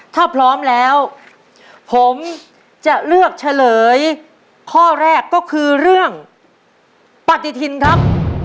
ถ้าพร้อมแล้วผมจะเลือกเฉลยข้อแรกก็คือเรื่องปฏิทินครับ